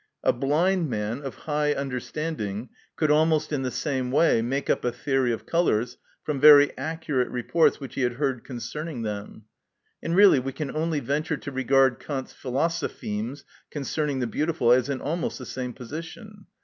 A blind man of high understanding could almost in the same way make up a theory of colours from very accurate reports which he had heard concerning them. And really we can only venture to regard Kant's philosophemes concerning the beautiful as in almost the same position.